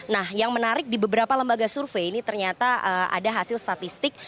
nah yang menarik di beberapa lembaga survei ini ternyata ada hasil statistik